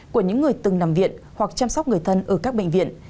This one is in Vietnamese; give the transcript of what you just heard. của những người từng nằm viện hoặc chăm sóc người thân ở các bệnh viện